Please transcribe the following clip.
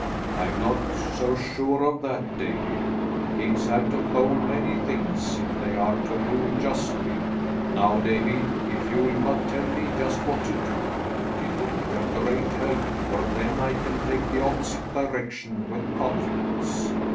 "I'm not so sure of that, Davie. Kings have to thole many things if they are to rule justly. Now, Davie, if you'll but tell me just what to do, it will be a great help, for then I can take the opposite direction with confidence."